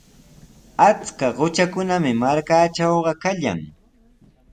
Achka qutrakunami markaatrawqa kallan.